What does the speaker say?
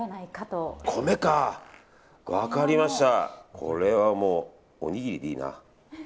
これはもうおにぎりでいいな。